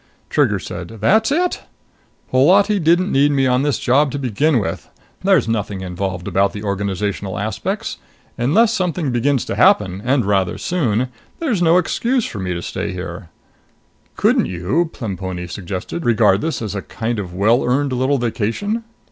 Trigger said, "That's it. Holati didn't need me on this job to begin with. There's nothing involved about the organizational aspects. Unless something begins to happen and rather soon there's no excuse for me to stay here." "Couldn't you," Plemponi suggested, "regard this as a kind of well earned little vacation?"